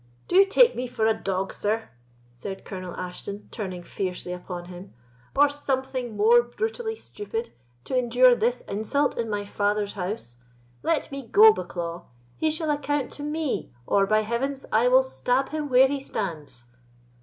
"Do you take me for a dog, sir" said Colonel Ashton, turning fiercely upon him, "or something more brutally stupid, to endure this insult in my father's house? Let me go, Bucklaw! He shall account to me, or, by Heavens, I will stab him where he stands!"